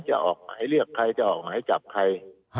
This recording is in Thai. จะออกมาให้เรียกใครจะออกมาให้จับใคร